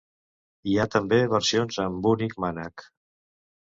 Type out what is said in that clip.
Hi ha també versions amb únic mànec.